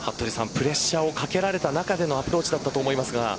プレッシャーをかけられた中でのアプローチだったと思いますが。